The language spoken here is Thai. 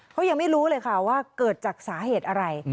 เขายังไม่รู้เลยค่ะว่าเกิดจากสาเหตุอะไร